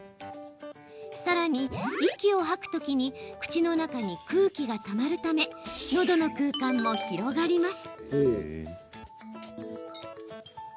さらに、息を吐くときに口の中に空気がたまるためのどの空間も広がります。